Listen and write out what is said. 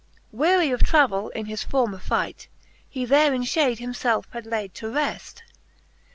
XIX. Wearie of travell in his former fight, ' He there in fhade himfelfe had layd to refl.